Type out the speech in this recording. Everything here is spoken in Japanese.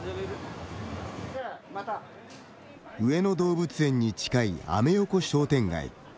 上野動物園に近いアメ横商店街。